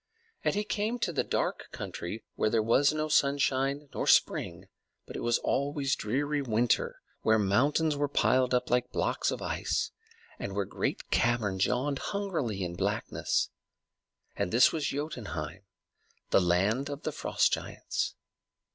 And he came to the dark country where there was no sunshine nor spring, but it was always dreary winter; where mountains were piled up like blocks of ice, and where great caverns yawned hungrily in blackness. And this was Jotunheim, the land of the Frost Giants.